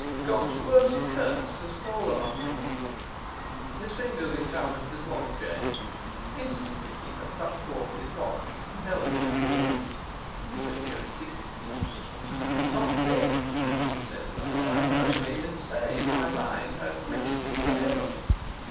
God's worst curse has fallen on me.' His fingers encountered his watch chain; instantly he had plucked forth his watch and held it to his ear. He could hear it ticking. 'I am not deaf,' he said aloud. 'I am only insane. My mind has quitted me for ever.